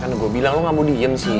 kan gue bilang lu gak mau diem sih